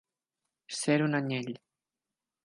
Ser un anyell.